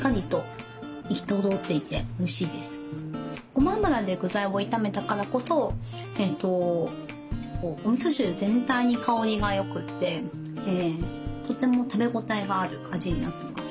ごま油で具材を炒めたからこそおみそ汁全体に香りがよくてとても食べ応えがある味になってます。